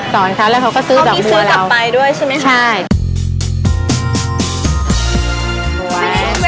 สอนค่ะแล้วเขาก็ซื้อดอกลัวเราเขามีซื้อกลับไปด้วยใช่ไหมคะใช่